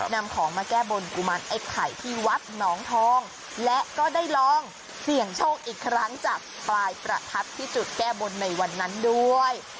นำของมาแก้บนกุมารไอ้ไข่ที่วัดหนองทองและก็ได้ลองเสี่ยงโชคอีกครั้งจากปลายประทัดที่จุดแก้บนในวันนั้นด้วย